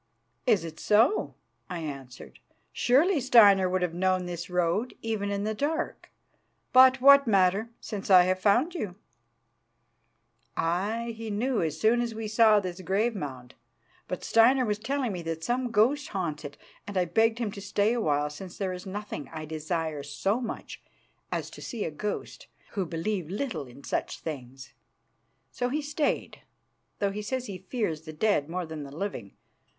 "Is it so?" I answered. "Surely Steinar would have known this road even in the dark. But what matter, since I have found you?" "Aye, he knew as soon as we saw this grave mound. But Steinar was telling me that some ghost haunts it, and I begged him to stay awhile, since there is nothing I desire so much as to see a ghost, who believe little in such things. So he stayed, though he says he fears the dead more than the living.